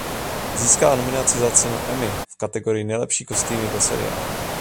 Získala nominaci na cenu Emmy v kategorii nejlepší kostýmy pro seriál.